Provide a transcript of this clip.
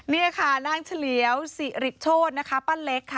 นี่ค่ะนางเฉลียวสิริโชธนะคะป้าเล็กค่ะ